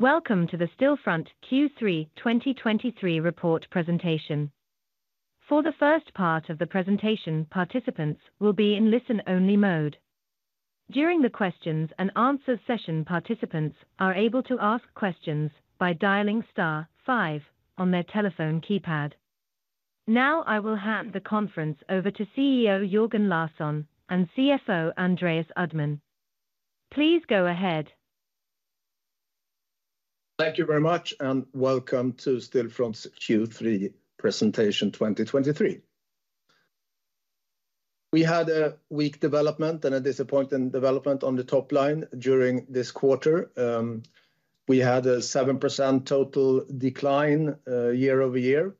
Welcome to the Stillfront Q3 2023 report presentation. For the first part of the presentation, participants will be in listen-only mode. During the questions and answer session, participants are able to ask questions by dialing star five on their telephone keypad. Now, I will hand the conference over to CEO Jörgen Larsson and CFO Andreas Uddman. Please go ahead. Thank you very much, and welcome to Stillfront's Q3 presentation 2023. We had a weak development and a disappointing development on the top line during this quarter. We had a 7% total decline year-over-year,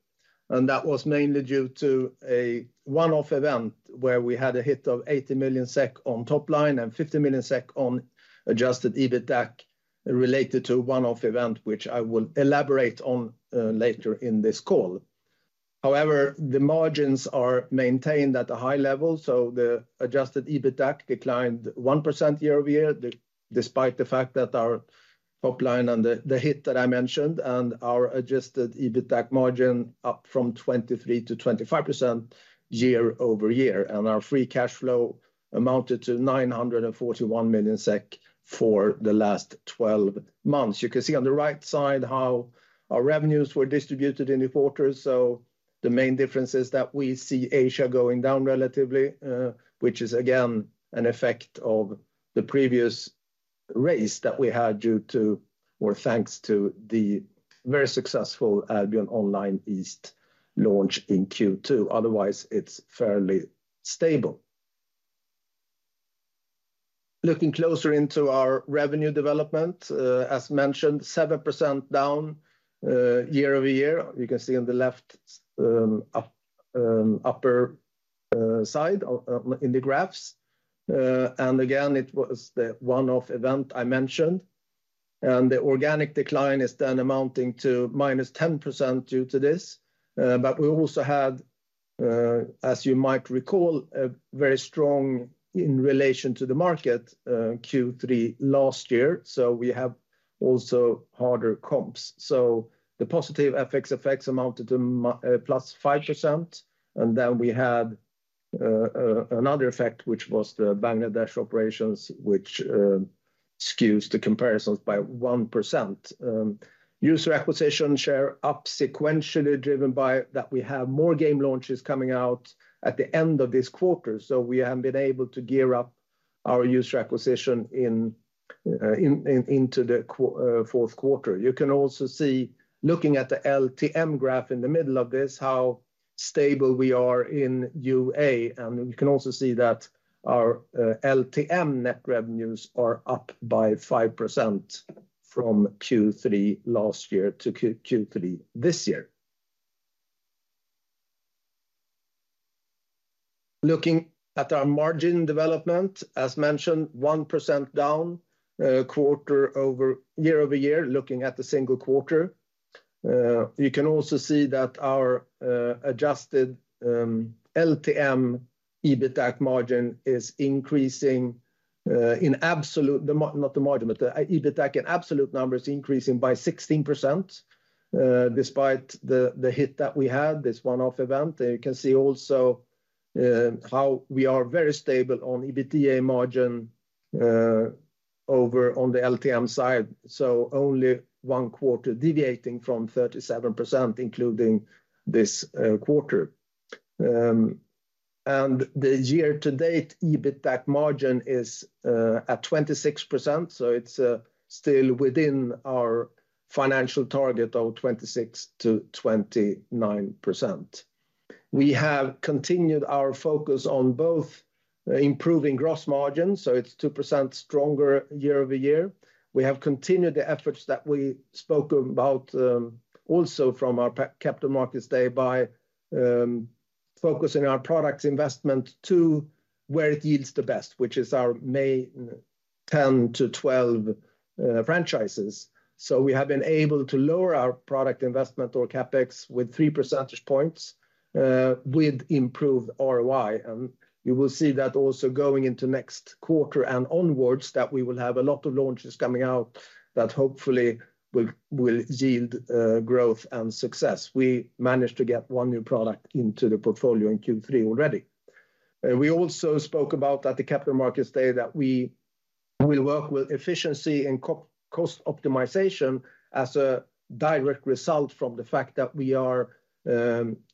and that was mainly due to a one-off event where we had a hit of 80 million SEK on top line and 50 million SEK on adjusted EBITDAC related to a one-off event, which I will elaborate on later in this call. However, the margins are maintained at a high level, so the adjusted EBITDAC declined 1% year-over-year, despite the fact that our top line and the hit that I mentioned and our adjusted EBITDAC margin up from 23%-25% year-over-year, and our free cash flow amounted to 941 million SEK for the last 12 months. You can see on the right side how our revenues were distributed in the quarter, so the main difference is that we see Asia going down relatively, which is, again, an effect of the previous race that we had due to, or thanks to, the very successful Albion Online East launch in Q2. Otherwise, it's fairly stable. Looking closer into our revenue development, as mentioned, 7% down, year-over-year. You can see on the left upper side in the graphs. And again, it was the one-off event I mentioned, and the organic decline is then amounting to -10% due to this. But we also had, as you might recall, a very strong in relation to the market, Q3 last year, so we have also harder comps. The positive FX effects amounted to +5%, and then we had another effect, which was the Bangladesh operations, which skews the comparisons by 1%. User acquisition share up sequentially, driven by that we have more game launches coming out at the end of this quarter, so we have been able to gear up our user acquisition into the Q4. You can also see, looking at the LTM graph in the middle of this, how stable we are in UA, and you can also see that our LTM net revenues are up by 5% from Q3 last year to Q3 this year. Looking at our margin development, as mentioned, 1% down year-over-year, looking at the single quarter. You can also see that our adjusted LTM EBITDAC margin is increasing in absolute, not the margin, but the EBITDAC in absolute numbers increasing by 16%, despite the hit that we had, this one-off event. You can see also how we are very stable on EBITDA margin over on the LTM side, so only one quarter deviating from 37%, including this quarter. And the year-to-date EBITDAC margin is at 26%, so it's still within our financial target of 26%-29%. We have continued our focus on both improving gross margins, so it's 2% stronger year-over-year. We have continued the efforts that we spoke about, also from our Capital Markets Day by, focusing our products investment to where it yields the best, which is our main 10-12 franchises. So we have been able to lower our product investment or CapEx with 3 percentage points, with improved ROI, and you will see that also going into next quarter and onwards, that we will have a lot of launches coming out that hopefully will, will yield, growth and success. We managed to get 1 new product into the portfolio in Q3 already. We also spoke about at the Capital Markets Day that we will work with efficiency and cost optimization as a direct result from the fact that we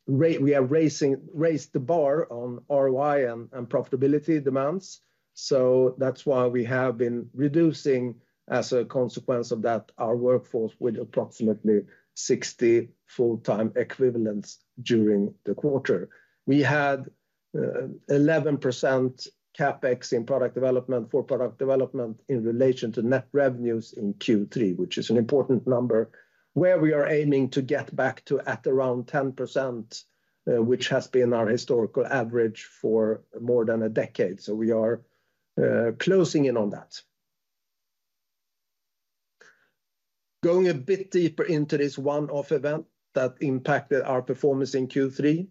raised the bar on ROI and profitability demands, so that's why we have been reducing, as a consequence of that, our workforce with approximately 60 full-time equivalents during the quarter. We had 11% CapEx in product development in relation to net revenues in Q3, which is an important number, where we are aiming to get back to at around 10%, which has been our historical average for more than a decade, so we are closing in on that. Going a bit deeper into this one-off event that impacted our performance in Q3,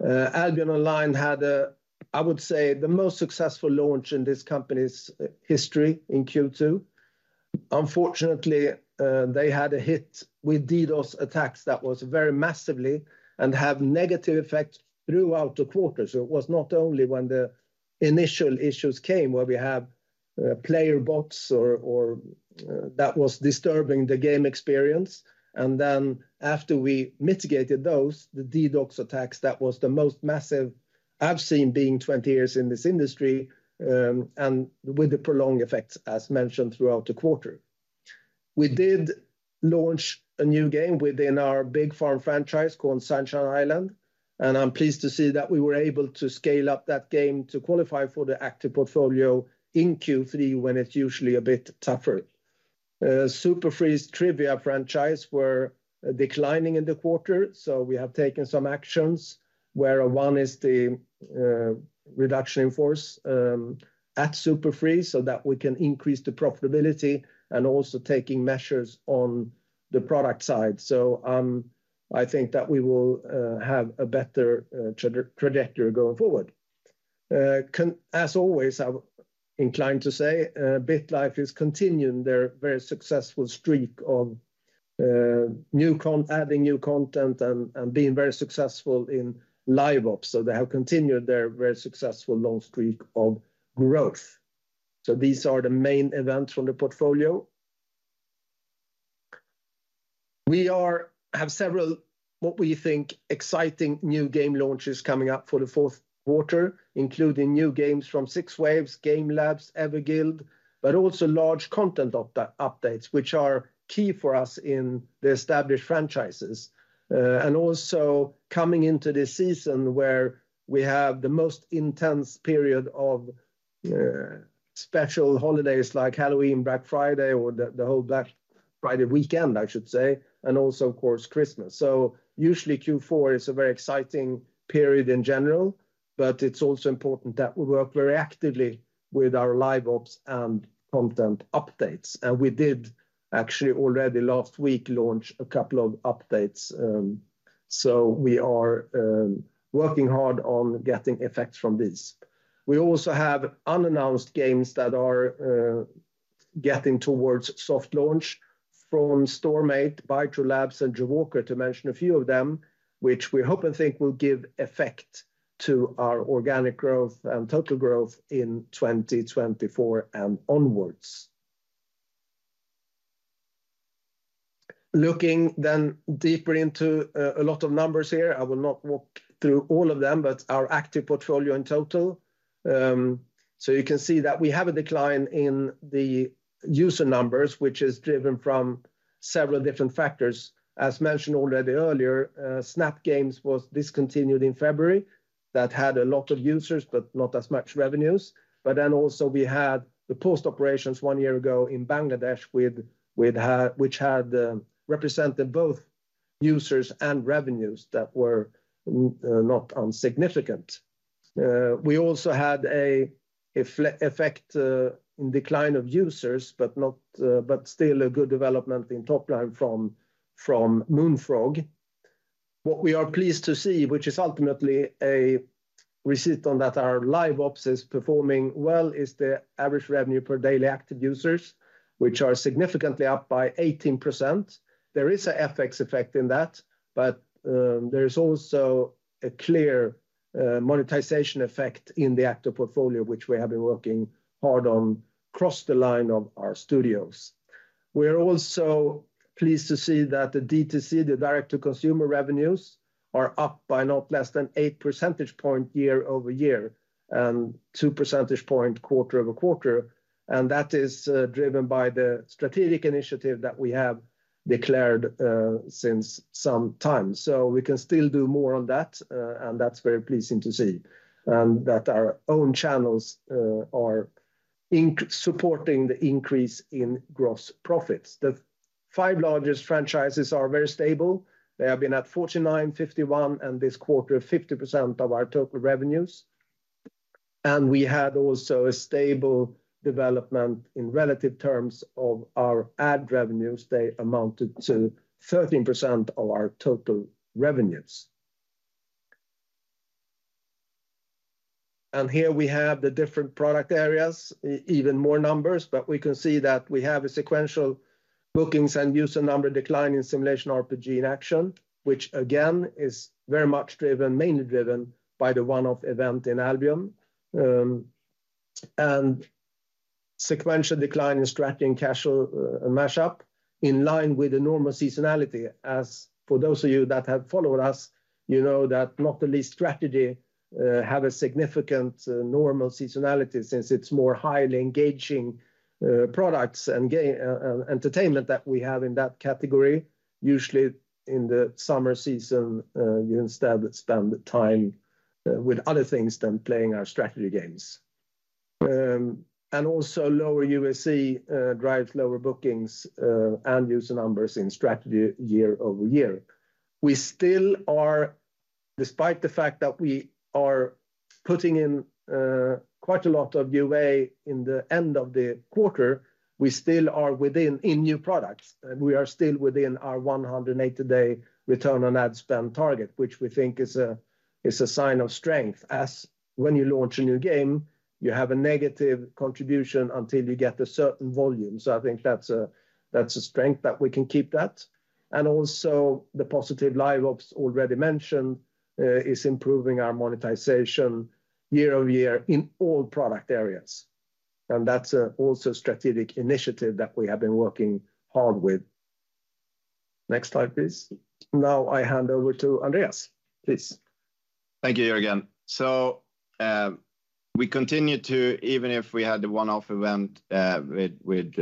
Albion Online had a-... I would say the most successful launch in this company's history in Q2. Unfortunately, they had a hit with DDoS attacks that was very massively and have negative effect throughout the quarter. So it was not only when the initial issues came, where we have player bots or, or that was disturbing the game experience, and then after we mitigated those, the DDoS attacks, that was the most massive I've seen being 20 years in this industry, and with the prolonged effects, as mentioned throughout the quarter. We did launch a new game within our Big Farm franchise called Sunshine Island, and I'm pleased to see that we were able to scale up that game to qualify for the active portfolio in Q3, when it's usually a bit tougher. SuperFree Trivia franchise were declining in the quarter, so we have taken some actions, where one is the reduction in force at SuperFree, so that we can increase the profitability and also taking measures on the product side. So I think that we will have a better trajectory going forward. As always, I'm inclined to say, BitLife is continuing their very successful streak of adding new content and being very successful in Live Ops, so they have continued their very successful long streak of growth. So these are the main events from the portfolio. We have several, what we think, exciting new game launches coming up for the Q4, including new games from 6waves, Game Labs, Everguild, but also large content updates, which are key for us in the established franchises. And also coming into this season, where we have the most intense period of special holidays, like Halloween, Black Friday, or the whole Black Friday weekend, I should say, and also, of course, Christmas. So usually Q4 is a very exciting period in general, but it's also important that we work very actively with our live ops and content updates, and we did actually already last week launch a couple of updates. So we are working hard on getting effects from this. We also have unannounced games that are getting towards soft launch from Storm8, Game Labs, and Joe Walker, to mention a few of them, which we hope and think will give effect to our organic growth and total growth in 2024 and onwards. Looking then deeper into a lot of numbers here, I will not walk through all of them, but our active portfolio in total. So you can see that we have a decline in the user numbers, which is driven from several different factors. As mentioned already earlier, Snap Games was discontinued in February. That had a lot of users, but not as much revenues. But then also we had the post operations one year ago in Bangladesh with, with which had represented both users and revenues that were not insignificant. We also had an effect in decline of users, but not, but still a good development in top line from Moonfrog. What we are pleased to see, which is ultimately a receipt on that our live ops is performing well, is the average revenue per daily active users, which are significantly up by 18%. There is a FX effect in that, but there is also a clear monetization effect in the active portfolio, which we have been working hard on across the line of our studios. We're also pleased to see that the D2C, the direct-to-consumer revenues, are up by not less than 8 percentage point year-over-year, and 2 percentage point quarter-over-quarter, and that is driven by the strategic initiative that we have declared since some time. So we can still do more on that, and that's very pleasing to see, and that our own channels are supporting the increase in gross profits. The five largest franchises are very stable. They have been at 49, 51, and this quarter, 50% of our total revenues, and we had also a stable development in relative terms of our ad revenues. They amounted to 13% of our total revenues. And here we have the different product areas, even more numbers, but we can see that we have a sequential bookings and user number decline in Simulation, RPG, and Action, which again, is very much driven, mainly driven, by the one-off event in Albion. And sequential decline in Strategy and Casual mashup, in line with the normal seasonality. As for those of you that have followed us, you know that not only Strategy have a significant normal seasonality, since it's more highly engaging products and entertainment that we have in that category. Usually, in the summer season, you instead spend the time with other things than playing our strategy games. And also lower UAC drives lower bookings and user numbers in Strategy year-over-year. We still are despite the fact that we are putting in quite a lot of UA in the end of the quarter, we still are within, in new products, and we are still within our 180-day return on ad spend target, which we think is a, it's a sign of strength, as when you launch a new game, you have a negative contribution until you get a certain volume. So I think that's a, that's a strength that we can keep that. And also the positive live ops already mentioned is improving our monetization year-over-year in all product areas, and that's also strategic initiative that we have been working hard with. Next slide, please. Now I hand over to Andreas. Please. Thank you, Jörgen. So, we continue to—even if we had the one-off event with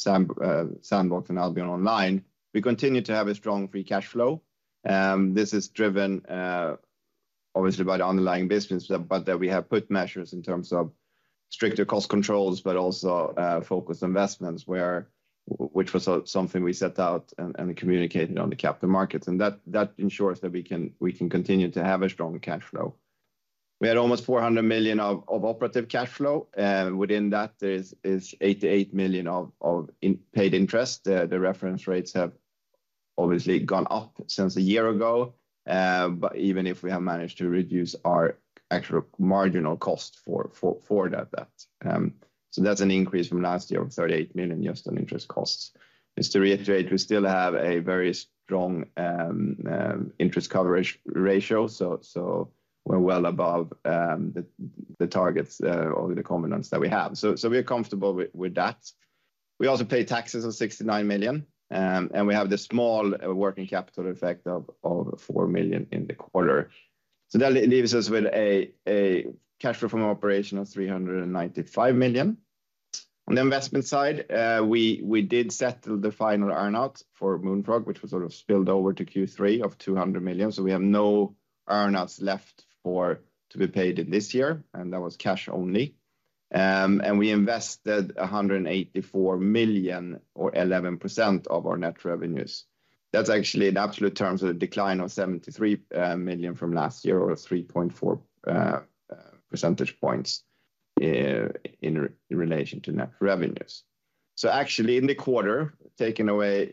Sandbox and Albion Online, we continue to have a strong free cash flow. This is driven, obviously, by the underlying business, but that we have put measures in terms of stricter cost controls, but also focused investments, which was something we set out and communicated on the capital markets. And that ensures that we can continue to have a strong cash flow. We had almost 400 million of operative cash flow, within that is 88 million of paid interest. The reference rates have obviously gone up since a year ago, but even if we have managed to reduce our actual marginal cost for that debt. So that's an increase from last year of 38 million just on interest costs. Just to reiterate, we still have a very strong interest coverage ratio, so we're well above the targets or the covenants that we have. So we are comfortable with that. We also pay taxes of 69 million, and we have the small working capital effect of 4 million in the quarter. So that leaves us with a cash flow from operation of 395 million. On the investment side, we did settle the final earn-out for Moonfrog, which was sort of spilled over to Q3 of 200 million. So we have no earn-outs left to be paid in this year, and that was cash only. And we invested 184 million or 11% of our net revenues. That's actually in absolute terms, a decline of 73 million from last year or 3.4 percentage points in relation to net revenues. So actually, in the quarter, taking away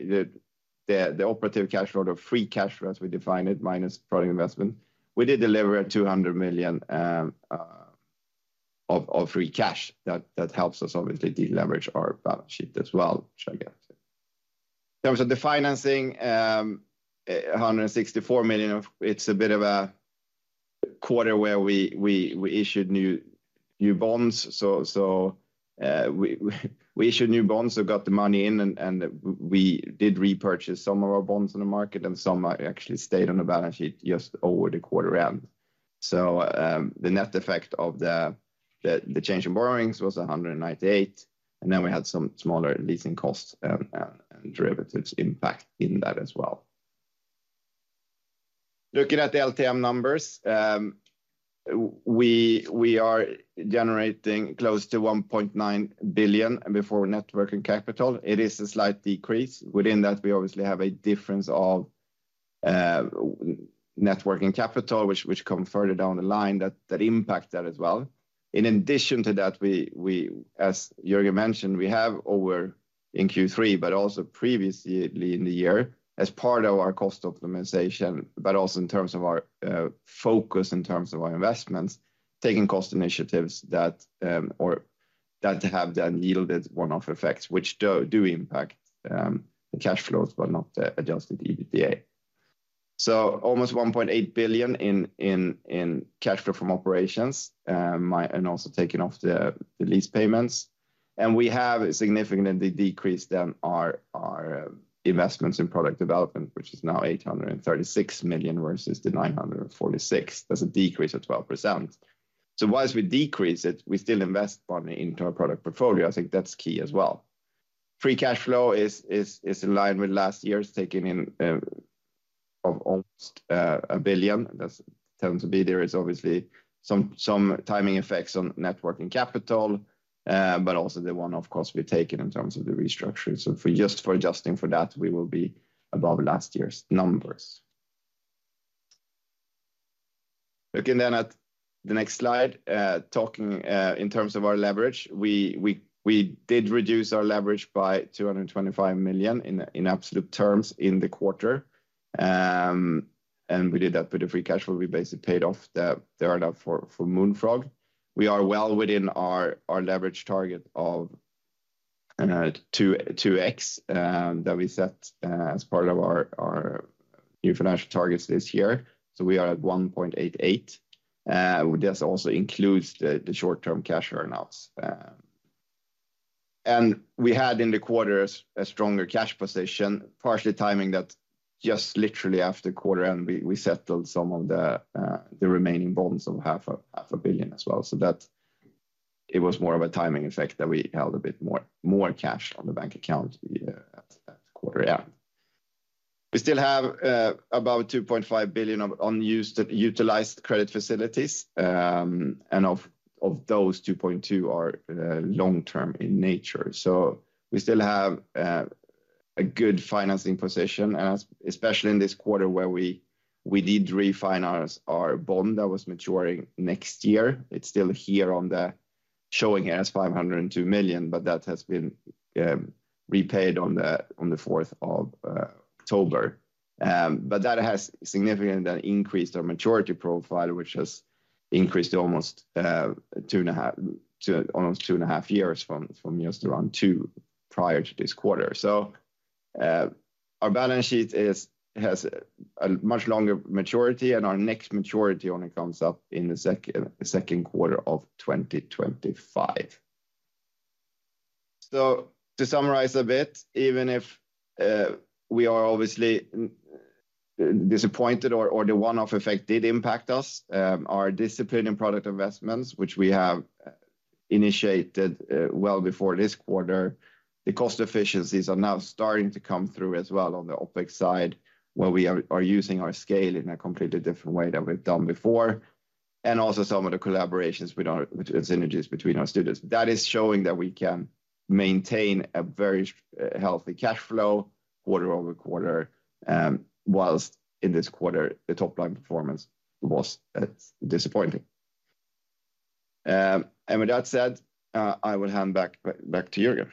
the operative cash flow or free cash flow, as we define it, minus product investment, we did deliver 200 million of free cash. That helps us obviously deleverage our balance sheet as well, which I get. In terms of the financing, 164 million of. It's a bit of a quarter where we issued new bonds. So, we issued new bonds and got the money in, and we did repurchase some of our bonds on the market, and some actually stayed on the balance sheet just over the quarter end. So, the net effect of the change in borrowings was 198 million, and then we had some smaller leasing costs and derivatives impact in that as well. Looking at the LTM numbers, we are generating close to 1.9 billion before net working capital. It is a slight decrease. Within that, we obviously have a difference of net working capital, which come further down the line, that impact that as well. In addition to that, as Jörgen mentioned, we have over in Q3, but also previously in the year, as part of our cost optimization, but also in terms of our focus in terms of our investments, taking cost initiatives that or that have then yielded one-off effects, which do impact the cash flows, but not the adjusted EBITDA. So almost 1.8 billion in cash flow from operations, and also taking off the lease payments. And we have significantly decreased then our investments in product development, which is now 836 million versus the 946 million. That's a decrease of 12%. So whilst we decrease it, we still invest money into our product portfolio. I think that's key as well. Free cash flow is in line with last year's, taking in of almost 1 billion. That tends to be. There is obviously some timing effects on net working capital, but also the one-off costs we've taken in terms of the restructuring. So for just adjusting for that, we will be above last year's numbers. Looking then at the next slide, talking in terms of our leverage, we did reduce our leverage by 225 million in absolute terms in the quarter. And we did that with the free cash flow. We basically paid off the earn-out for Moonfrog. We are well within our leverage target of 2x that we set as part of our new financial targets this year. So we are at 1.88. This also includes the short-term cash earn-outs. And we had in the quarter a stronger cash position, partially timing that just literally after the quarter end, we settled some of the remaining bonds of 0.5 billion as well. So that. It was more of a timing effect that we held a bit more cash on the bank account at the quarter end. We still have about 2.5 billion of unused utilized credit facilities. And of those, 2.2 are long-term in nature. So we still have flex- a good financing position, and especially in this quarter, where we did refinance our bond that was maturing next year. It's still here on the showing as 502 million, but that has been repaid on the fourth of October. But that has significantly increased our maturity profile, which has increased almost 2.5 to almost 2.5 years from just around 2 prior to this quarter. So, our balance sheet has a much longer maturity, and our next maturity only comes up in the Q2 of 2025. So to summarize a bit, even if we are obviously not disappointed or the one-off effect did impact us, our discipline and product investments, which we have initiated well before this quarter, the cost efficiencies are now starting to come through as well on the OpEx side, where we are using our scale in a completely different way than we've done before, and also some of the collaborations with our synergies between our studios. That is showing that we can maintain a very healthy cash flow quarter over quarter, while in this quarter, the top-line performance was disappointing. And with that said, I will hand back to you, Jörgen.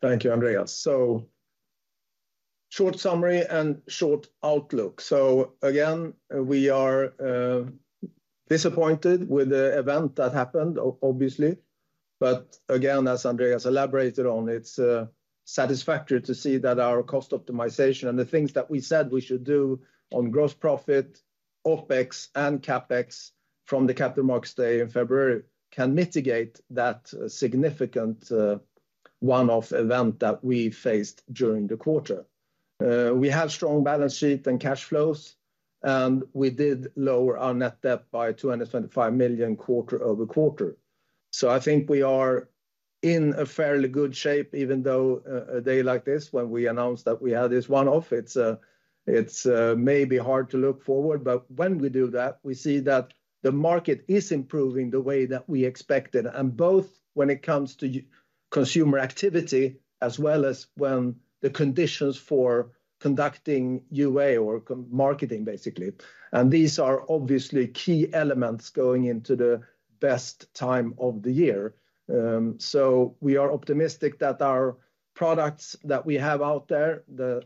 Thank you, Andreas. So short summary and short outlook. So again, we are disappointed with the event that happened, obviously. But again, as Andreas elaborated on, it's satisfactory to see that our cost optimization and the things that we said we should do on gross profit, OpEx, and CapEx from the Capital Markets Day in February, can mitigate that significant one-off event that we faced during the quarter. We have strong balance sheet and cash flows, and we did lower our net debt by 225 million quarter-over-quarter. So I think we are in a fairly good shape, even though a day like this, when we announce that we had this one-off, it may be hard to look forward. But when we do that, we see that the market is improving the way that we expected, and both when it comes to consumer activity, as well as when the conditions for conducting UA or marketing, basically. These are obviously key elements going into the best time of the year. We are optimistic that our products that we have out there,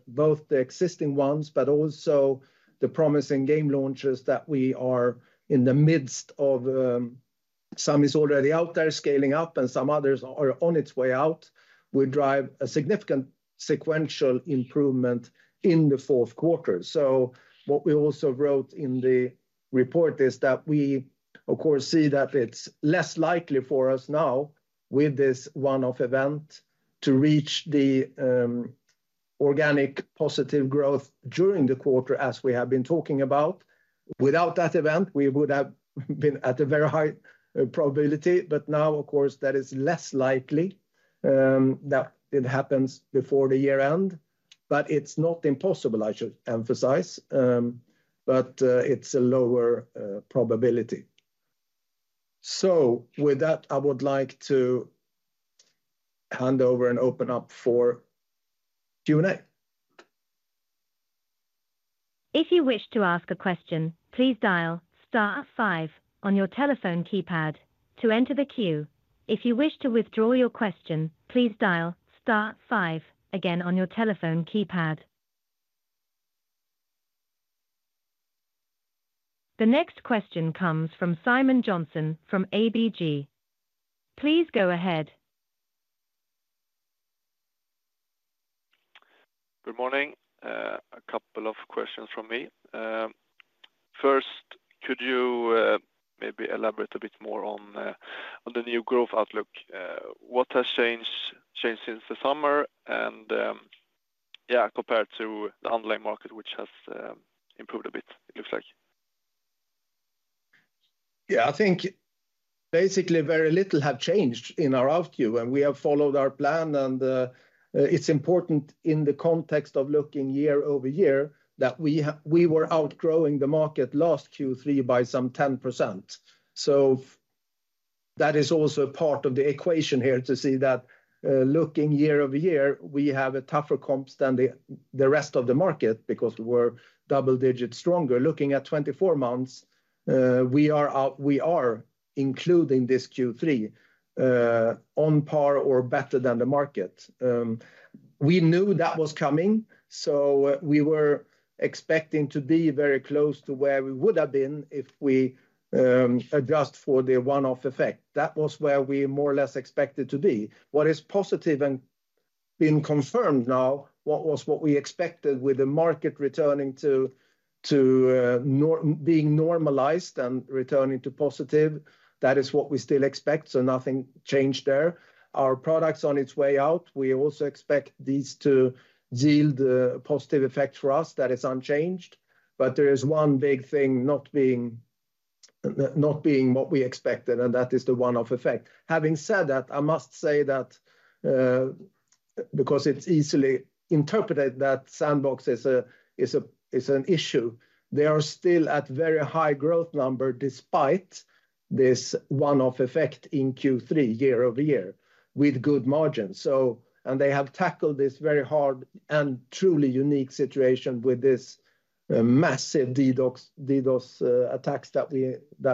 both the existing ones, but also the promising game launches that we are in the midst of, some is already out there scaling up, and some others are on its way out, will drive a significant sequential improvement in the Q4. So what we also wrote in the report is that we, of course, see that it's less likely for us now, with this one-off event, to reach the organic positive growth during the quarter, as we have been talking about. Without that event, we would have been at a very high probability, but now, of course, that is less likely that it happens before the year end. But it's not impossible, I should emphasize, but it's a lower probability. So with that, I would like to hand over and open up for Q&A. If you wish to ask a question, please dial star five on your telephone keypad to enter the queue. If you wish to withdraw your question, please dial star five again on your telephone keypad. The next question comes from Simon Jonsson from ABG. Please go ahead. Good morning. A couple of questions from me. First, could you maybe elaborate a bit more on the new growth outlook? What has changed, changed since the summer, and yeah, compared to the underlying market, which has improved a bit, it looks like? Yeah, I think basically, very little have changed in our outlook, and we have followed our plan, and it's important in the context of looking year-over-year, that we were outgrowing the market last Q3 by some 10%. So that is also part of the equation here, to see that, looking year-over-year, we have a tougher comps than the rest of the market because we're double-digit stronger. Looking at 24 months, we are, including this Q3, on par or better than the market. We knew that was coming, so we were expecting to be very close to where we would have been if we adjust for the one-off effect. That was where we more or less expected to be. What is positive and been confirmed now, what was what we expected with the market returning to being normalized and returning to positive, that is what we still expect, so nothing changed there. Our products on its way out, we also expect these to yield a positive effect for us. That is unchanged, but there is one big thing not being what we expected, and that is the one-off effect. Having said that, I must say that because it's easily interpreted that Sandbox is an issue, they are still at very high growth number, despite this one-off effect in Q3, year over year, with good margins. So and they have tackled this very hard and truly unique situation with a massive DDoS attacks that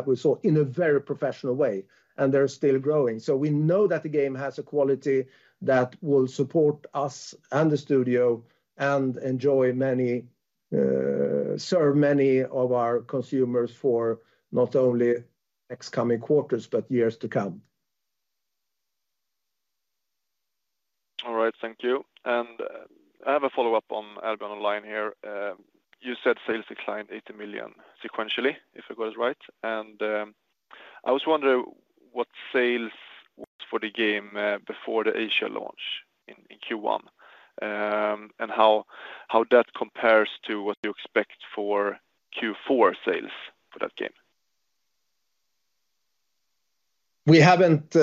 we saw in a very professional way, and they're still growing. So we know that the game has a quality that will support us and the studio, and serve many of our consumers for not only next coming quarters, but years to come. All right, thank you. I have a follow-up on Albion Online here. You said sales declined 80 million sequentially, if I got it right. I was wondering what sales was for the game, before the Asia launch in Q1, and how that compares to what you expect for Q4 sales for that game? We haven't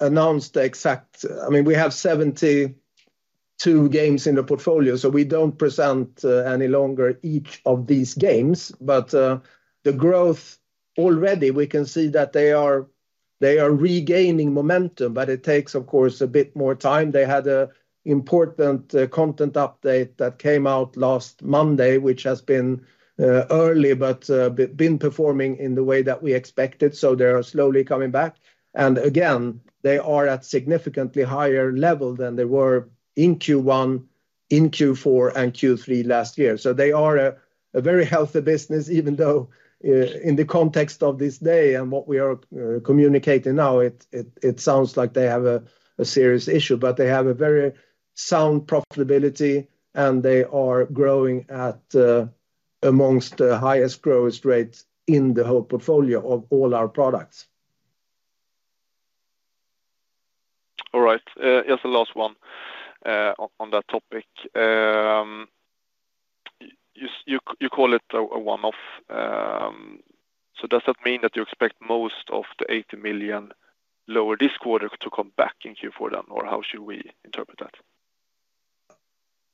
announced the exact—I mean, we have 72 games in the portfolio, so we don't present any longer each of these games. But the growth already, we can see that they are, they are regaining momentum, but it takes, of course, a bit more time. They had a important content update that came out last Monday, which has been early, but been performing in the way that we expected, so they are slowly coming back. And again, they are at significantly higher level than they were in Q1, in Q4, and Q3 last year. So they are a very healthy business, even though in the context of this day and what we are communicating now, it sounds like they have a serious issue, but they have a very sound profitability, and they are growing at among the highest growth rates in the whole portfolio of all our products. All right, just the last one, on that topic. You call it a one-off, so does that mean that you expect most of the 80 million lower this quarter to come back in Q4 then, or how should we interpret that?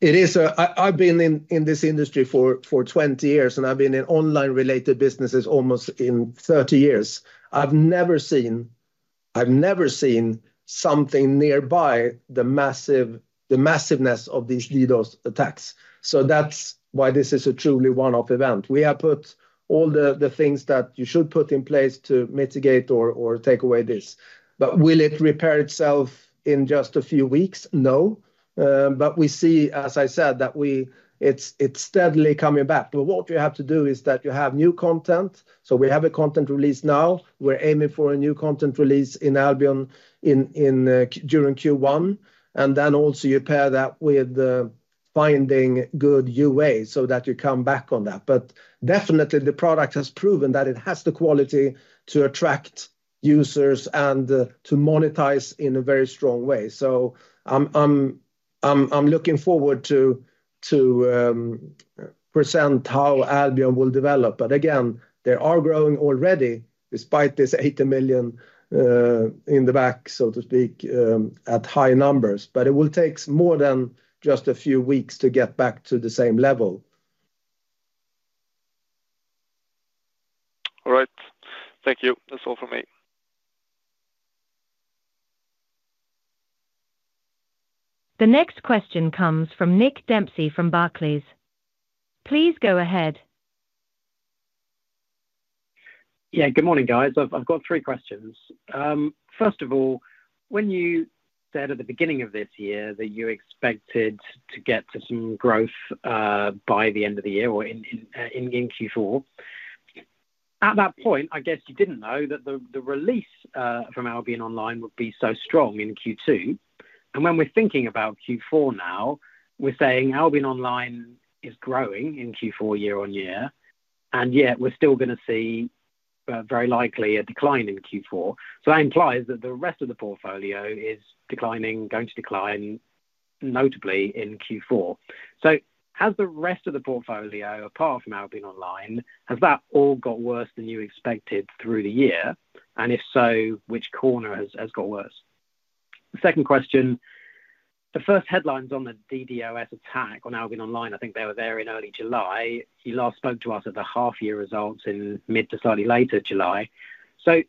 It is, I've been in this industry for 20 years, and I've been in online-related businesses almost 30 years. I've never seen something nearby the massive, the massiveness of these DDoS attacks, so that's why this is a truly one-off event. We have put all the things that you should put in place to mitigate or take away this. But will it repair itself in just a few weeks? No. But we see, as I said, that it's steadily coming back. But what you have to do is that you have new content, so we have a content release now. We're aiming for a new content release in Albion during Q1, and then also you pair that with finding good UA so that you come back on that. But definitely, the product has proven that it has the quality to attract users and to monetize in a very strong way. So I'm looking forward to present how Albion will develop, but again, they are growing already, despite this 80 million in the back, so to speak, at high numbers. But it will take more than just a few weeks to get back to the same level. All right. Thank you. That's all for me. The next question comes from Nick Dempsey from Barclays. Please go ahead. Yeah, good morning, guys. I've got three questions. First of all, when you said at the beginning of this year that you expected to get to some growth by the end of the year or in Q4, at that point, I guess you didn't know that the release from Albion Online would be so strong in Q2. And when we're thinking about Q4 now, we're saying Albion Online is growing in Q4, year-over-year, and yet we're still gonna see very likely a decline in Q4. So that implies that the rest of the portfolio is declining, going to decline, notably in Q4. So has the rest of the portfolio, apart from Albion Online, got worse than you expected through the year? And if so, which quarter has got worse? Second question: the first headlines on the DDoS attack on Albion Online, I think they were there in early July. You last spoke to us at the half-year results in mid to slightly later July. So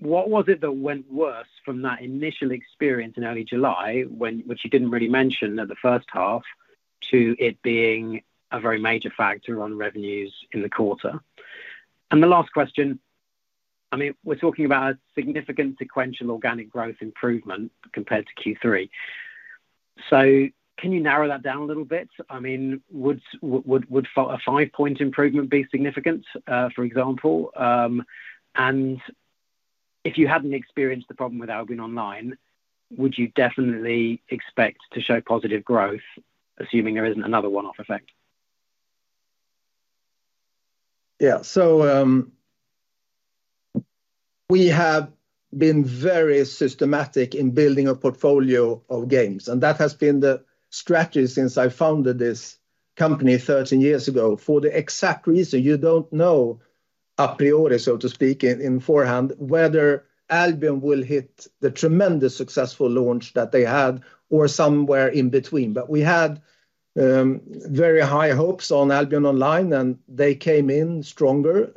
what was it that went worse from that initial experience in early July, which you didn't really mention at the first half, to it being a very major factor on revenues in the quarter? And the last question, I mean, we're talking about a significant sequential organic growth improvement compared to Q3. So can you narrow that down a little bit? I mean, would a 5-point improvement be significant, for example, and if you hadn't experienced the problem with Albion Online, would you definitely expect to show positive growth, assuming there isn't another one-off effect? Yeah, so, we have been very systematic in building a portfolio of games, and that has been the strategy since I founded this company 13 years ago, for the exact reason you don't know a priori, so to speak, in beforehand, whether Albion will hit the tremendous successful launch that they had or somewhere in between. But we had very high hopes on Albion Online, and they came in stronger.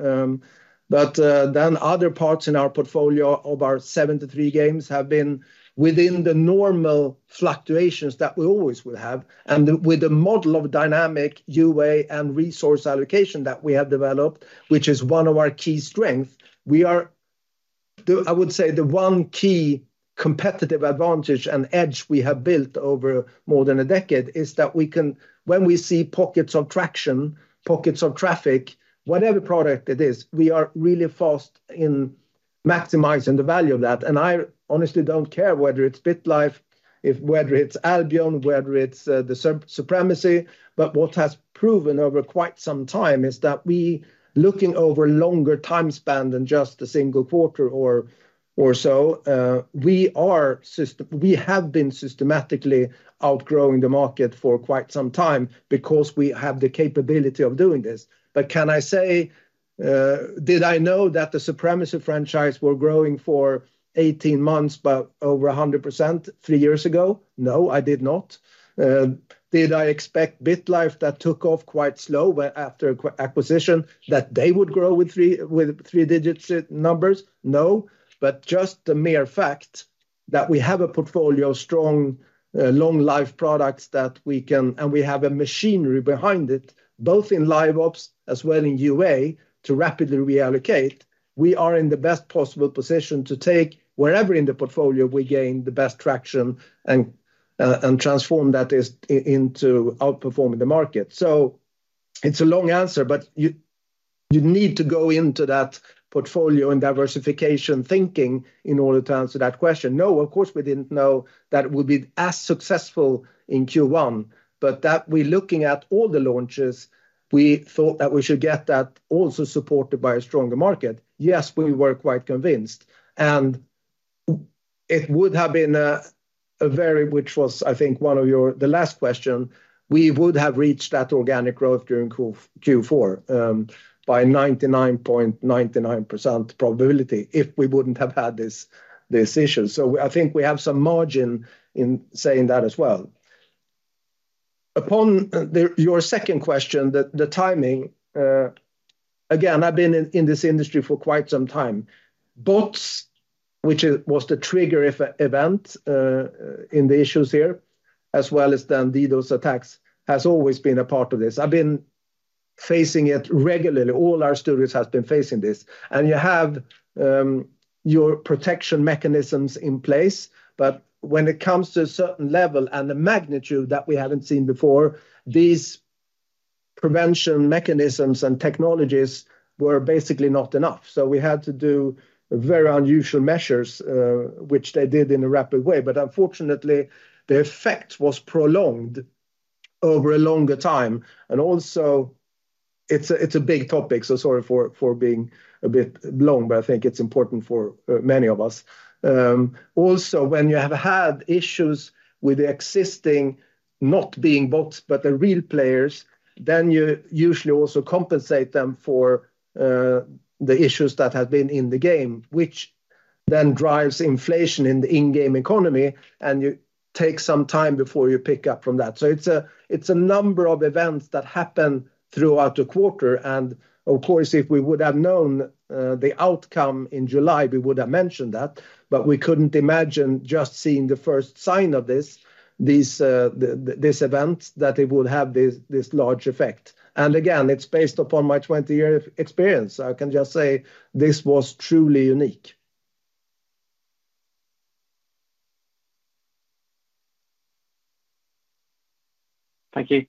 But then other parts in our portfolio of our 73 games have been within the normal fluctuations that we always will have, and with the model of dynamic UA and resource allocation that we have developed, which is one of our key strengths, we are-... I would say the one key competitive advantage and edge we have built over more than a decade is that we can, when we see pockets of traction, pockets of traffic, whatever product it is, we are really fast in maximizing the value of that. And I honestly don't care whether it's BitLife, whether it's Albion, whether it's the Supremacy, but what has proven over quite some time is that we looking over longer time span than just a single quarter or so, we have been systematically outgrowing the market for quite some time because we have the capability of doing this. But can I say, did I know that the Supremacy franchise were growing for 18 months, but over 100% 3 years ago? No, I did not. Did I expect BitLife that took off quite slow, but after acquisition, that they would grow with three-digit numbers? No, but just the mere fact that we have a portfolio of strong, long-life products that we can, and we have a machinery behind it, both in Live Ops as well in UA, to rapidly reallocate, we are in the best possible position to take wherever in the portfolio we gain the best traction and transform that into outperforming the market. So it's a long answer, but you need to go into that portfolio and diversification thinking in order to answer that question. No, of course, we didn't know that we'll be as successful in Q1, but that we're looking at all the launches, we thought that we should get that also supported by a stronger market. Yes, we were quite convinced, and it would have been a very, which was, I think one of your-- the last question, we would have reached that organic growth during Q4 by 99.99% probability if we wouldn't have had this issue. So I think we have some margin in saying that as well. Upon your second question, the timing, again, I've been in this industry for quite some time. Bots, which was the trigger event in the issues here, as well as the DDoS attacks, has always been a part of this. I've been facing it regularly. All our studios has been facing this, and you have your protection mechanisms in place, but when it comes to a certain level and the magnitude that we haven't seen before, these prevention mechanisms and technologies were basically not enough. So we had to do very unusual measures, which they did in a rapid way, but unfortunately, the effect was prolonged over a longer time. And also, it's a big topic, so sorry for being a bit long, but I think it's important for many of us. Also, when you have had issues with the existing, not being bots, but the real players, then you usually also compensate them for the issues that have been in the game, which then drives inflation in the in-game economy, and you take some time before you pick up from that. So it's a number of events that happen throughout the quarter, and of course, if we would have known the outcome in July, we would have mentioned that, but we couldn't imagine just seeing the first sign of this event, that it would have this large effect. And again, it's based upon my 20-year experience. I can just say this was truly unique. Thank you.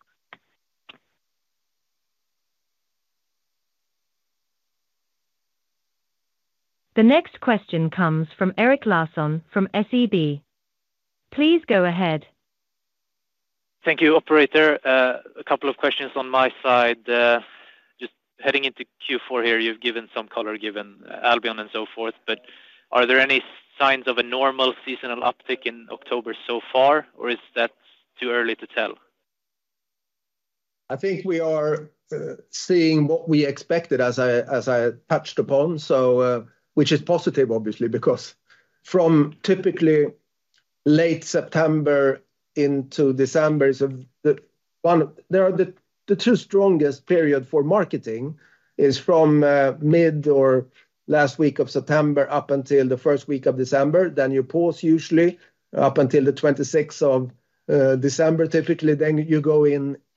The next question comes from Erik Larsson, from SEB. Please go ahead. Thank you, operator. A couple of questions on my side. Just heading into Q4 here, you've given some color, given Albion and so forth, but are there any signs of a normal seasonal uptick in October so far, or is that too early to tell? I think we are seeing what we expected, as I touched upon, so which is positive, obviously, because from typically late September into December, there are the 2 strongest period for marketing is from mid or last week of September, up until the first week of December. Then you pause, usually, up until the 26th of December, typically. Then you go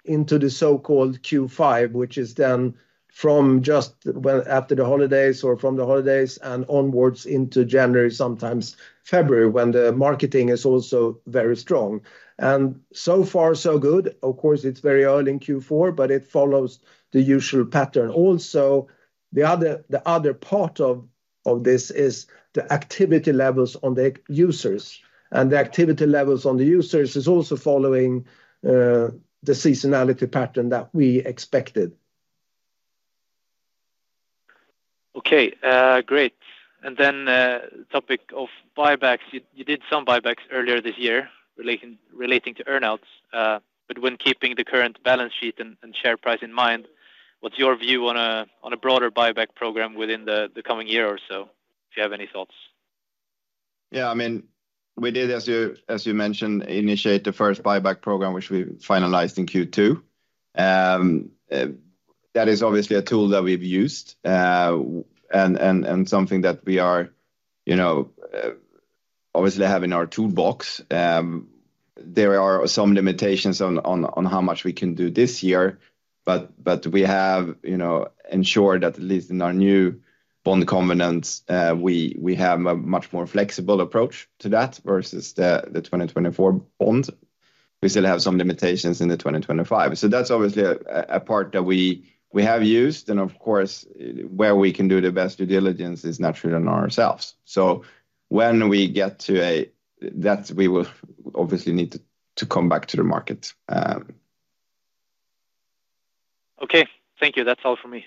into the so-called Q5, which is then from just well after the holidays or from the holidays and onwards into January, sometimes February, when the marketing is also very strong. And so far, so good. Of course, it's very early in Q4, but it follows the usual pattern. Also, the other part of this is the activity levels on the users, and the activity levels on the users is also following the seasonality pattern that we expected. Okay, great. And then, topic of buybacks, you did some buybacks earlier this year, relating to earn outs, but when keeping the current balance sheet and share price in mind, what's your view on a broader buyback program within the coming year or so, if you have any thoughts? Yeah, I mean, we did, as you, as you mentioned, initiate the first buyback program, which we finalized in Q2. That is obviously a tool that we've used, and something that we are, you know,... obviously have in our toolbox. There are some limitations on how much we can do this year, but we have, you know, ensured that at least in our new bond covenants, we have a much more flexible approach to that versus the 2024 bond. We still have some limitations in the 2025. So that's obviously a part that we have used, and of course, where we can do the best due diligence is naturally on ourselves. So when we get to that we will obviously need to come back to the market. Okay, thank you. That's all for me.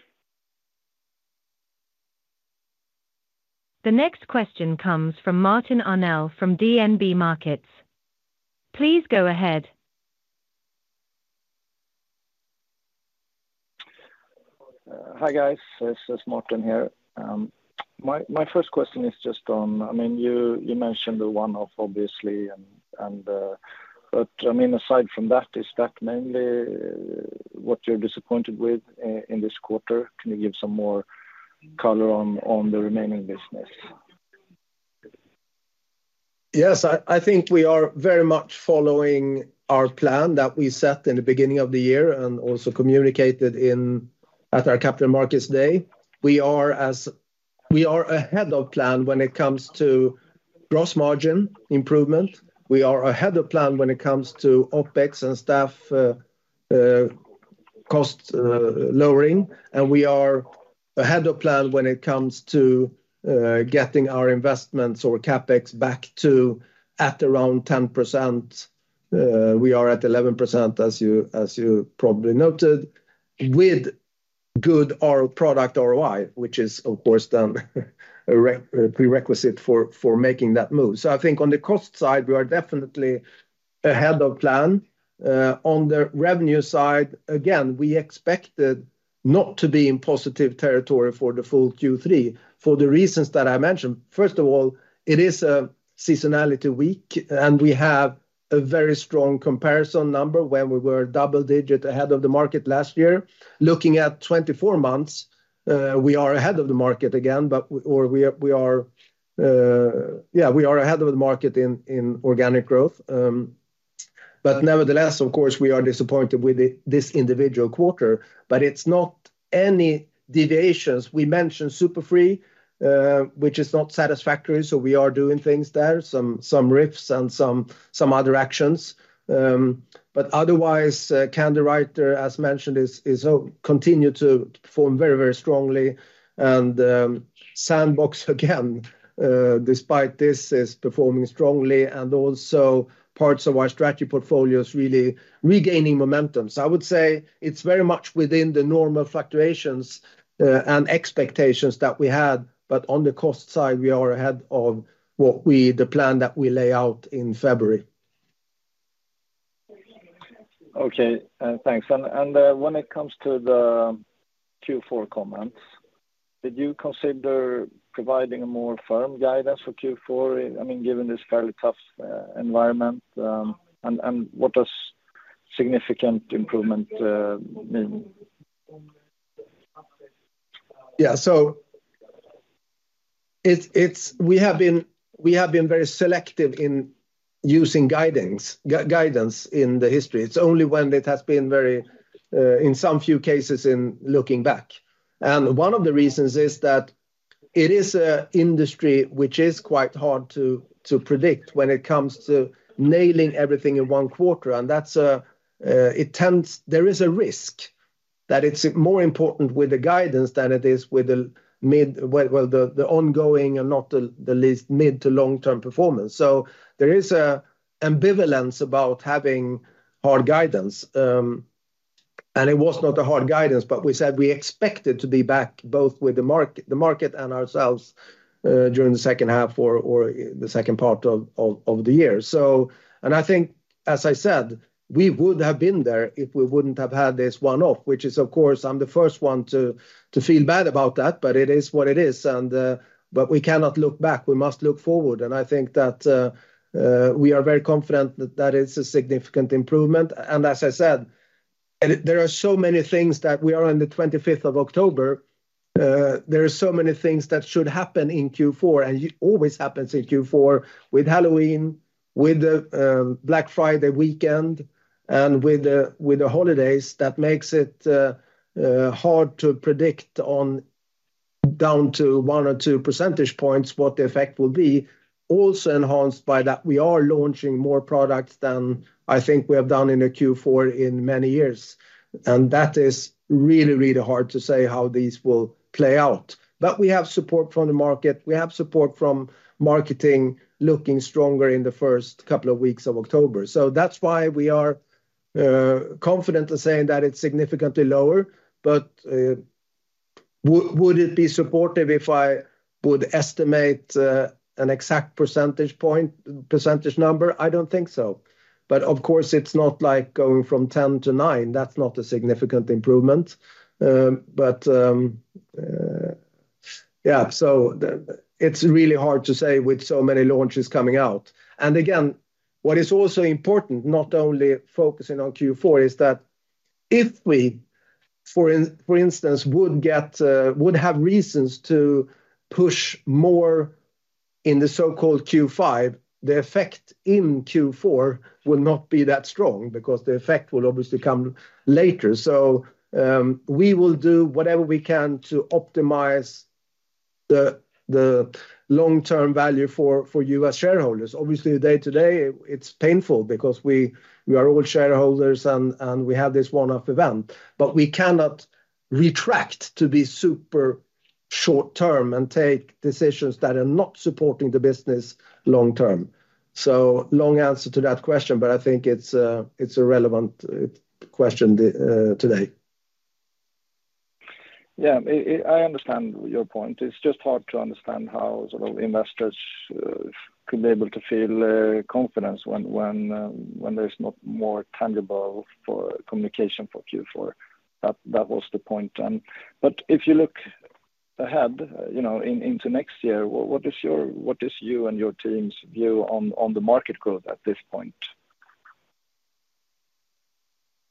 The next question comes from Martin Arnell from DNB Markets. Please go ahead. Hi, guys, it's Martin here. My first question is just on, I mean, you mentioned the one-off, obviously, and but, I mean, aside from that, is that mainly what you're disappointed with in this quarter? Can you give some more color on the remaining business? Yes, I think we are very much following our plan that we set in the beginning of the year and also communicated in at our capital markets day. We are ahead of plan when it comes to gross margin improvement. We are ahead of plan when it comes to OpEx and staff cost lowering, and we are ahead of plan when it comes to getting our investments or CapEx back to at around 10%. We are at 11%, as you probably noted, with good our product ROI, which is, of course, the prerequisite for making that move. So I think on the cost side, we are definitely ahead of plan. On the revenue side, again, we expected not to be in positive territory for the full Q3, for the reasons that I mentioned. First of all, it is a seasonality week, and we have a very strong comparison number when we were double-digit ahead of the market last year. Looking at 24 months, we are ahead of the market again, but we are ahead of the market in organic growth. Nevertheless, of course, we are disappointed with this individual quarter, but it's not any deviations. We mentioned SuperFree, which is not satisfactory, so we are doing things there, some RIFs and some other actions. Otherwise, Candywriter, as mentioned, continues to perform very, very strongly, and Sandbox, again, despite this, is performing strongly and also parts of our strategy portfolio is really regaining momentum. So I would say it's very much within the normal fluctuations and expectations that we had, but on the cost side, we are ahead of the plan that we lay out in February. Okay, thanks. And when it comes to the Q4 comments, did you consider providing a more firm guidance for Q4? I mean, given this fairly tough environment, and what does significant improvement mean? Yeah. So it's we have been very selective in using guidance in the history. It's only when it has been very in some few cases in looking back. And one of the reasons is that it is an industry which is quite hard to predict when it comes to nailing everything in one quarter, and that's it tends there is a risk that it's more important with the guidance than it is with the mid well, the ongoing, and not the least, mid to long-term performance. So there is an ambivalence about having hard guidance. And it was not a hard guidance, but we said we expected to be back, both with the market and ourselves, during the second half or the second part of the year. I think, as I said, we would have been there if we wouldn't have had this one-off, which is, of course, I'm the first one to feel bad about that, but it is what it is, but we cannot look back. We must look forward, and I think that we are very confident that that is a significant improvement. As I said, there are so many things that we are on the 25th of October; there are so many things that should happen in Q4, and it always happens in Q4 with Halloween, with the Black Friday weekend, and with the holidays. That makes it hard to predict on down to one or two percentage points what the effect will be. Also enhanced by that, we are launching more products than I think we have done in a Q4 in many years, and that is really, really hard to say how these will play out. But we have support from the market, we have support from marketing looking stronger in the first couple of weeks of October. So that's why we are confident in saying that it's significantly lower. But would it be supportive if I would estimate an exact percentage point, percentage number? I don't think so. But of course, it's not like going from 10 to 9. That's not a significant improvement. But it's really hard to say with so many launches coming out. And again, what is also important, not only focusing on Q4, is that if we-... For instance, would have reasons to push more in the so-called Q5, the effect in Q4 will not be that strong because the effect will obviously come later. So, we will do whatever we can to optimize the long-term value for you as shareholders. Obviously, the day-to-day, it's painful because we are all shareholders and we have this one-off event, but we cannot retract to be super short-term and take decisions that are not supporting the business long term. So, long answer to that question, but I think it's a relevant question today. Yeah, I, I understand your point. It's just hard to understand how sort of investors could be able to feel confidence when, when, when there's not more tangible for communication for Q4. That, that was the point. But if you look ahead, you know, into next year, what is your-- what is you and your team's view on, on the market growth at this point?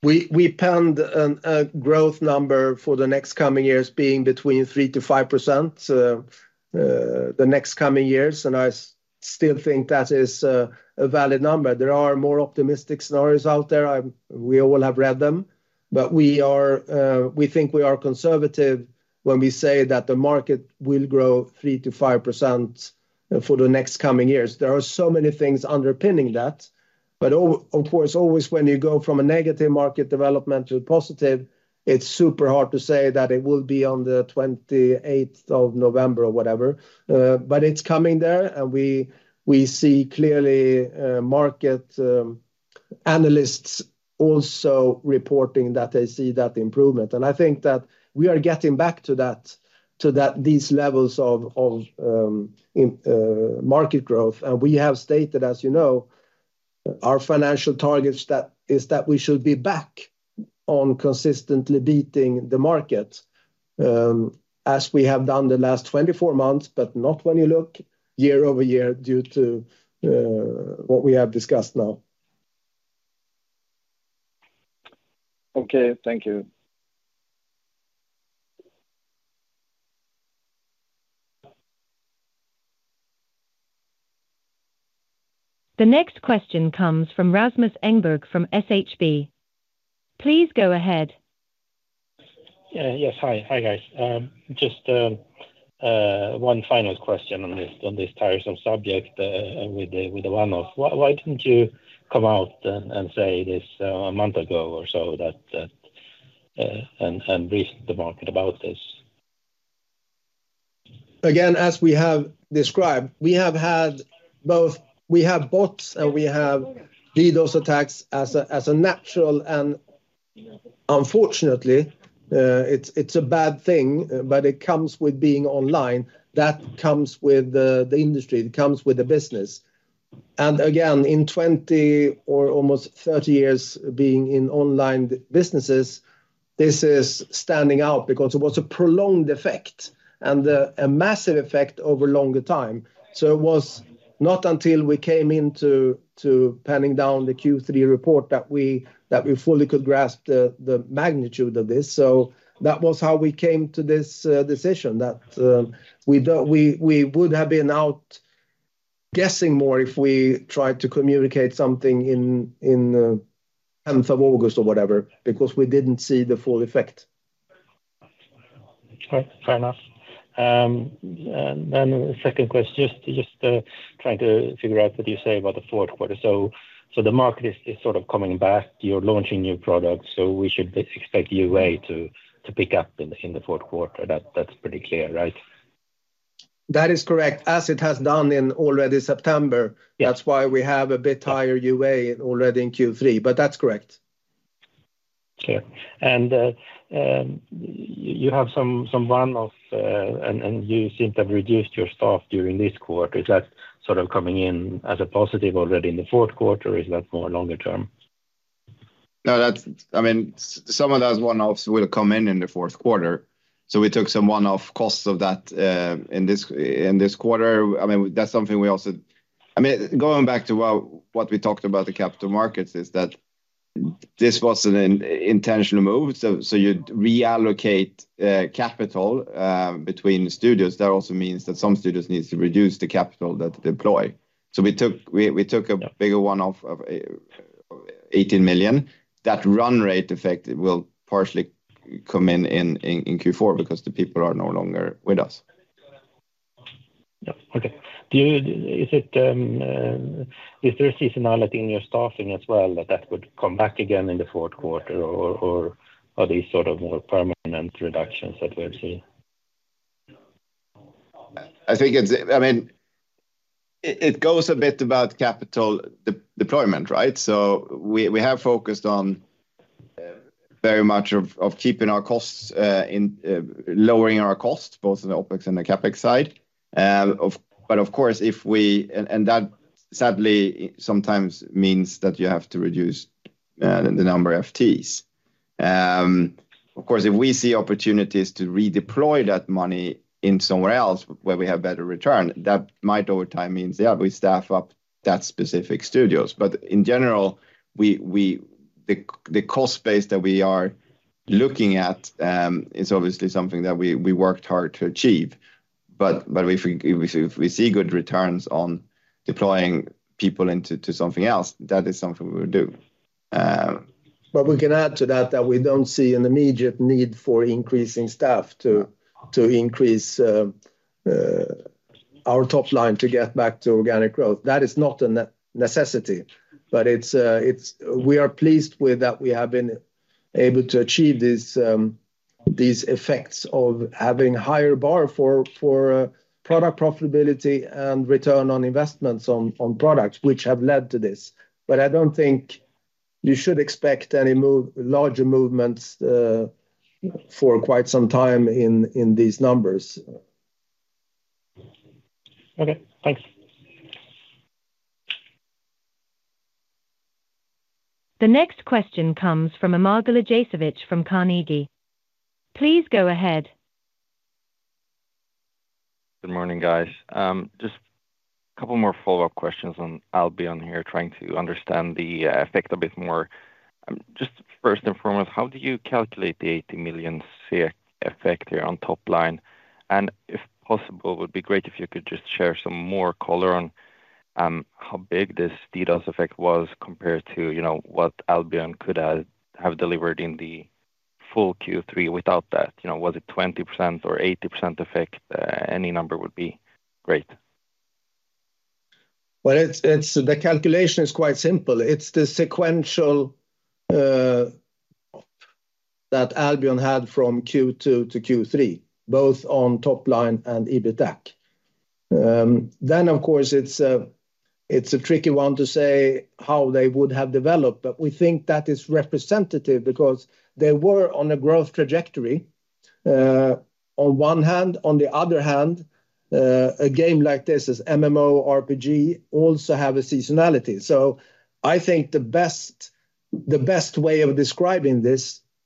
We planned a growth number for the next coming years being between 3%-5%, the next coming years, and I still think that is a valid number. There are more optimistic scenarios out there. We all have read them, but we are, we think we are conservative when we say that the market will grow 3%-5%, for the next coming years. There are so many things underpinning that, but of course, always when you go from a negative market development to positive, it's super hard to say that it will be on the twenty-eighth of November or whatever. But it's coming there, and we see clearly, market analysts also reporting that they see that improvement. I think that we are getting back to that, to that these levels of, of, market growth. We have stated, as you know, our financial targets, that is that we should be back on consistently beating the market, as we have done the last 24 months, but not when you look year-over-year, due to what we have discussed now. Okay, thank you. The next question comes from Rasmus Engberg from SHB. Please go ahead. Yeah. Yes, hi. Hi, guys. Just one final question on this tiresome subject with the one-off. Why didn't you come out and say this a month ago or so that and brief the market about this? Again, as we have described, we have had both—we have bots, and we have DDoS attacks as a natural and unfortunately, it's a bad thing, but it comes with being online. That comes with the industry, it comes with the business. And again, in 20 or almost 30 years being in online businesses, this is standing out because it was a prolonged effect and a massive effect over longer time. So it was not until we came into penning down the Q3 report that we fully could grasp the magnitude of this. So that was how we came to this decision, that we don't—we would have been out guessing more if we tried to communicate something in 10th of August or whatever, because we didn't see the full effect. Okay, fair enough. And then the second question, trying to figure out what you say about the Q4. So, the market is sort of coming back. You're launching new products, so we should expect UA to pick up in the Q4. That's pretty clear, right? That is correct, as it has done in already September. Yeah. That's why we have a bit higher UA already in Q3, but that's correct. Okay. And, you have some run off, and you seem to have reduced your staff during this quarter. Is that sort of coming in as a positive already in the Q4, or is that more longer term? No, that's. I mean, some of those one-offs will come in in the Q4, so we took some one-off costs of that in this quarter. I mean, that's something we also. I mean, going back to what we talked about the capital markets is that this was an intentional move. So you reallocate capital between studios. That also means that some studios needs to reduce the capital that deploy. So we took a bigger one-off of 18 million. That run rate effect will partially come in in Q4 because the people are no longer with us. Yeah. Okay. Do you, is it, is there a seasonality in your staffing as well, that that would come back again in the Q4, or, or are these sort of more permanent reductions that we'll see? I think it's, I mean, it goes a bit about capital deployment, right? So we have focused on very much keeping our costs in lowering our costs, both in the OpEx and the CapEx side. But of course, that sadly sometimes means that you have to reduce the number of FTEs. Of course, if we see opportunities to redeploy that money in somewhere else, where we have better return, that might over time means, yeah, we staff up that specific studios. But in general, the cost base that we are looking at is obviously something that we worked hard to achieve. But if we see good returns on deploying people into something else, that is something we will do. But we can add to that, that we don't see an immediate need for increasing staff to increase our top line to get back to organic growth. That is not a necessity, but it's we are pleased with that we have been able to achieve these effects of having higher bar for product profitability and return on investments on products which have led to this. But I don't think you should expect any larger movements for quite some time in these numbers. Okay, thanks. The next question comes from Amal Gajasevich from Carnegie. Please go ahead. Good morning, guys. Just a couple more follow-up questions on, I'll be on here trying to understand the, effect a bit more. Just first and foremost, how do you calculate the 80 million fee effect here on top line? And if possible, it would be great if you could just share some more color on, how big this DDoS effect was compared to, you know, what Albion could have, have delivered in the full Q3 without that. You know, was it 20% or 80% effect? Any number would be great. Well, it's the calculation is quite simple. It's the sequential that Albion had from Q2 to Q3, both on top line and EBITDA. Then of course, it's a tricky one to say how they would have developed, but we think that is representative because they were on a growth trajectory on one hand. On the other hand, a game like this is MMO, RPG also have a seasonality. So I think the best way of describing this,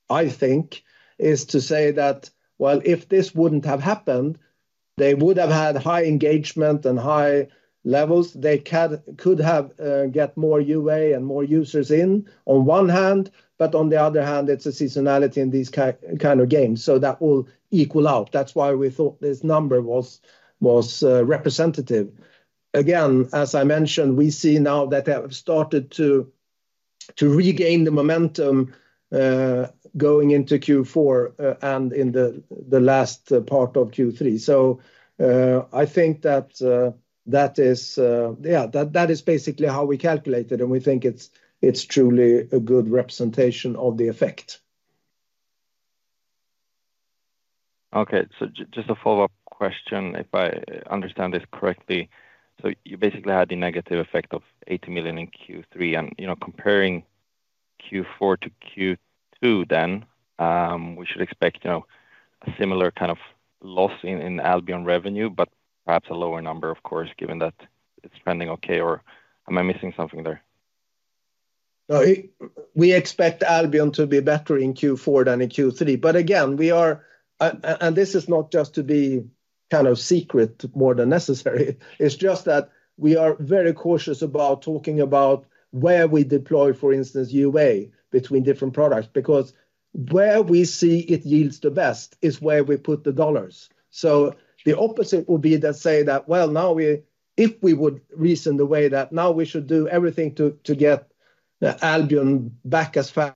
I think, is to say that: well, if this wouldn't have happened, they would have had high engagement and high levels. They could have get more UA and more users in on one hand, but on the other hand, it's a seasonality in these kind of games, so that will equal out. That's why we thought this number was representative. Again, as I mentioned, we see now that they have started to regain the momentum going into Q4 and in the last part of Q3. So, I think that is... Yeah, that is basically how we calculate it, and we think it's truly a good representation of the effect. Okay. So just a follow-up question, if I understand this correctly. So you basically had the negative effect of 80 million in Q3, and, you know, comparing Q4 to Q2, then, we should expect, you know, a similar kind of loss in Albion revenue, but perhaps a lower number, of course, given that it's trending okay, or am I missing something there? No, we expect Albion to be better in Q4 than in Q3. But again, we are and this is not just to be kind of secret more than necessary, it's just that we are very cautious about talking about where we deploy, for instance, UA between different products, because where we see it yields the best is where we put the dollars. So the opposite would be to say that, well, now if we would reason the way that now we should do everything to get the Albion back as fast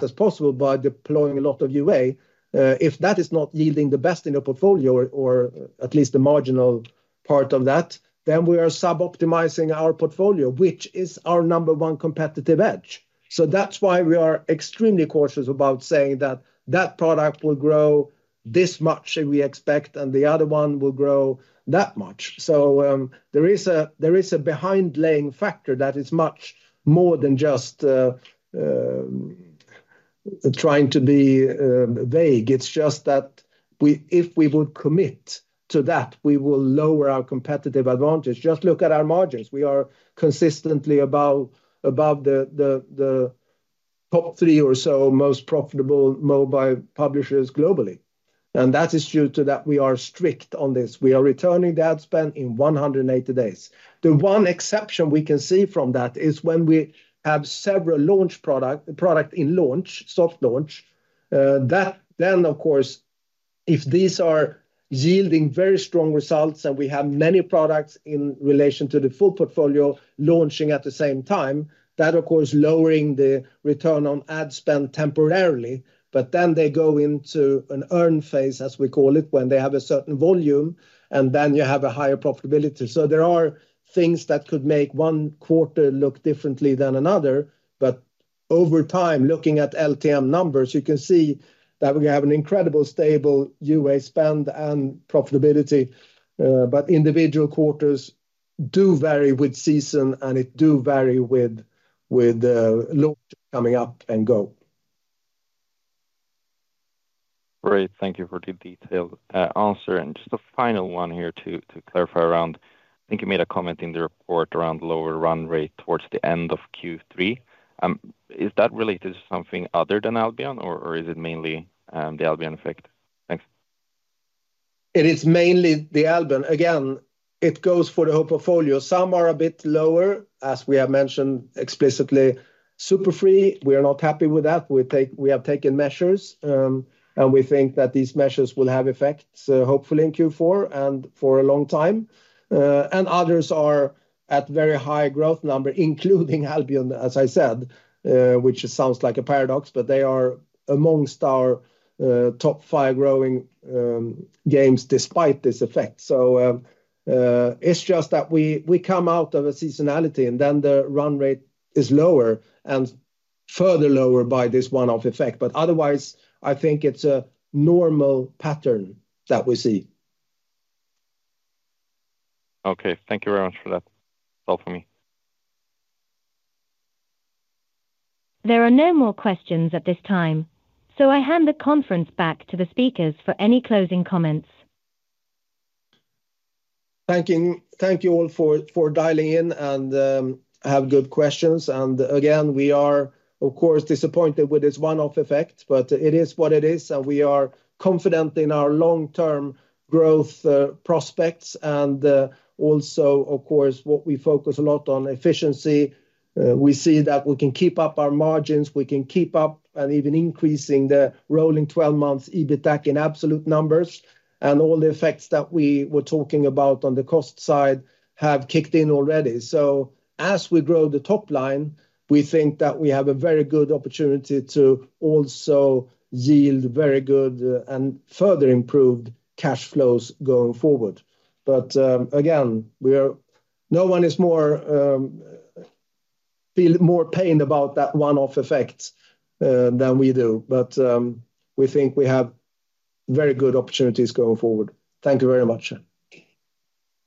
as possible by deploying a lot of UA, if that is not yielding the best in your portfolio, or at least the marginal part of that, then we are suboptimizing our portfolio, which is our number one competitive edge. So that's why we are extremely cautious about saying that that product will grow this much, we expect, and the other one will grow that much. So, there is a underlying factor that is much more than just trying to be vague. It's just that we if we would commit to that, we will lower our competitive advantage. Just look at our margins. We are consistently above the top three or so most profitable mobile publishers globally, and that is due to that we are strict on this. We are returning the ad spend in 180 days. The one exception we can see from that is when we have several launch product, product in launch, soft launch, that then, of course, if these are yielding very strong results and we have many products in relation to the full portfolio launching at the same time, that, of course, lowering the return on ad spend temporarily, but then they go into an earn phase, as we call it, when they have a certain volume, and then you have a higher profitability. So there are things that could make one quarter look differently than another, but over time, looking at LTM numbers, you can see that we have an incredible stable UA spend and profitability. But individual quarters do vary with season, and it do vary with, with, launch coming up and go. Great. Thank you for the detailed answer. And just a final one here to clarify around. I think you made a comment in the report around lower run rate towards the end of Q3. Is that related to something other than Albion, or is it mainly the Albion effect? Thanks. It is mainly the Albion. Again, it goes for the whole portfolio. Some are a bit lower, as we have mentioned explicitly. SuperFree, we are not happy with that. We have taken measures, and we think that these measures will have effects, hopefully in Q4 and for a long time. And others are at very high growth number, including Albion, as I said, which sounds like a paradox, but they are amongst our top five growing games despite this effect. So, it's just that we come out of a seasonality, and then the run rate is lower and further lower by this one-off effect. But otherwise, I think it's a normal pattern that we see. Okay. Thank you very much for that. All for me. There are no more questions at this time, so I hand the conference back to the speakers for any closing comments. Thank you all for dialing in and have good questions. And again, we are of course disappointed with this one-off effect, but it is what it is, and we are confident in our long-term growth prospects. And also, of course, what we focus a lot on efficiency. We see that we can keep up our margins, we can keep up and even increasing the rolling twelve months EBITDA in absolute numbers, and all the effects that we were talking about on the cost side have kicked in already. So as we grow the top line, we think that we have a very good opportunity to also yield very good and further improved cash flows going forward. But again, no one is more pained about that one-off effect than we do. But, we think we have very good opportunities going forward. Thank you very much.